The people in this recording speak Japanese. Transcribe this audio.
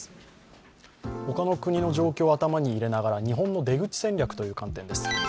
他の国の状況を頭に入れながら、日本の出口戦略という観点です。